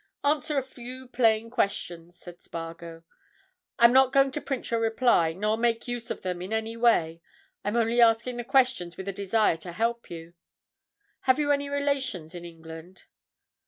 "Answer a few plain questions," said Spargo. "I'm not going to print your replies, nor make use of them in any way: I'm only asking the questions with a desire to help you. Have you any relations in England?"